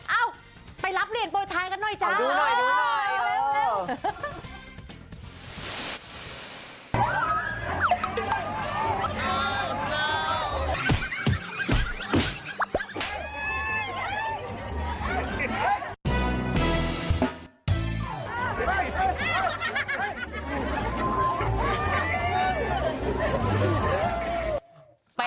เอ้าไปรับเหรียญโปรยธานกันหน่อยจ๊ะ